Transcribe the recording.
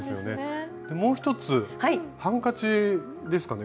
もう一つハンカチですかね